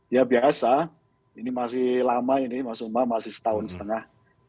ya biasa ini masih lama ini mas umam masih setahun setengah